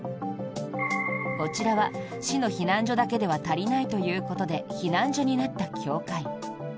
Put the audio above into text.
こちらは、市の避難所だけでは足りないということで避難所になった教会。